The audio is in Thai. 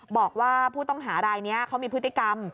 บอกว่าผู้ต้องหารายนี้เขามีพฤติกรรม